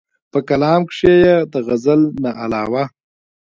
پۀ کلام کښې ئې د غزل نه علاوه